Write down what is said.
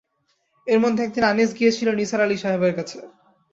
এর মধ্যে একদিন আনিস গিয়েছিল নিসার আলি সাহেবের কাছে।